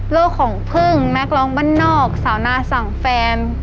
ของพึ่งนักร้องบ้านนอกสาวนาสั่งแฟน